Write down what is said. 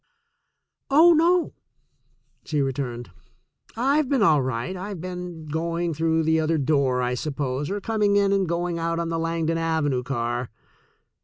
"Oh, no," she returned; "I've been all right. I've been going through the other door, I suppose, or com ing in and going out on the Langdon Avenue car."